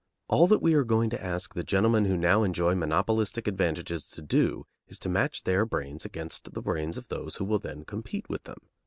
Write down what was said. All that we are going to ask the gentlemen who now enjoy monopolistic advantages to do is to match their brains against the brains of those who will then compete with them.